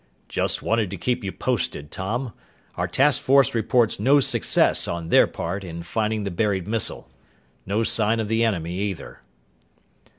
"Just wanted to keep you posted, Tom. Our task force reports no success on their part in finding the buried missile. No sign of the enemy, either."